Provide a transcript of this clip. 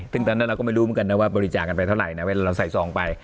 ซึ่งตอนนั้นเราก็ไม่รู้เหมือนกันนะว่าบริจาคกันไปเท่าไหร่นะเวลาเราใส่ซองไป